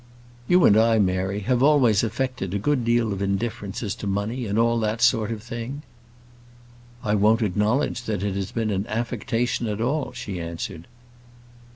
"You and I, Mary, have always affected a good deal of indifference as to money, and all that sort of thing." "I won't acknowledge that it has been an affectation at all," she answered.